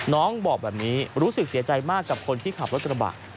น้องบอกแบบนี้รู้สึกเสียใจมากกับคนที่ขับรถกระบะ